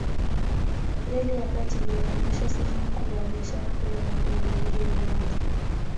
Reli ya kati iliyohamisha sehemu kubwa ya biashara kule ambako reli hiyo ilianza